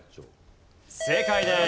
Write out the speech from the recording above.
正解です。